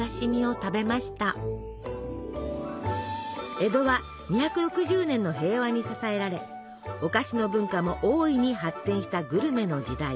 江戸は２６０年の平和に支えられお菓子の文化も大いに発展したグルメの時代。